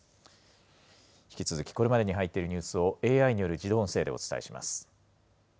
引き続きこれまでに入っているニュースを、ＡＩによる自動音声でお伝えします。